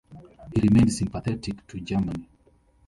He remained sympathetic to Germany.